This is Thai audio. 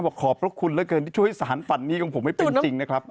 ขอบพระคุณเหลือเกินที่ช่วยสารฝันนี้ของผมให้เป็นจริงนะครับ